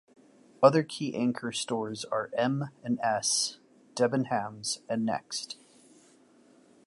Other key anchor stores are M and S, Debenhams and Next.